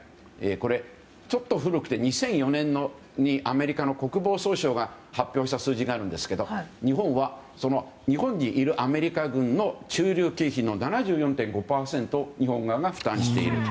これちょっと古くて２００４年にアメリカの国防総省が発表した数字ですが日本にいるアメリカ軍の駐留経費の７４．５％を日本側が負担している。